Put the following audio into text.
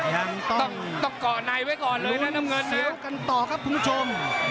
ยังต้องต้องเกาะในไว้ก่อนเลยนะน้ำเงินนะยังต้องกันต่อกันต่อครับคุณผู้ชม